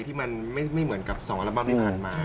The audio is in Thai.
ที่มันไม่เหมือนกับสองอัลบั้มที่มันอันมา